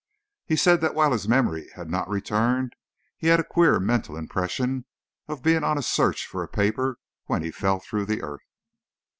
He said that while his memory had not returned, he had a queer mental impression of being on a search for a paper when he fell through the earth."